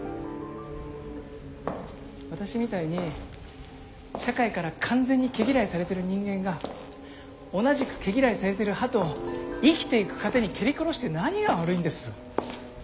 私みたいに社会から完全に毛嫌いされてる人間が同じく毛嫌いされてるハトを生きていく糧に蹴り殺して何が悪いんです？